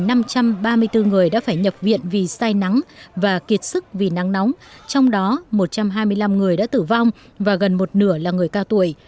tổng cộng có năm mươi bảy năm trăm ba mươi bốn người đã phải nhập viện vì sai nắng và kiệt sức vì nắng nóng trong đó một trăm hai mươi năm người đã tử vong và gần một nửa là người cao tuổi